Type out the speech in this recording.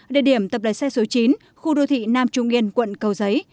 địa điểm tập lái xe số chín khu đô thị nam trung yên quận cầu giấy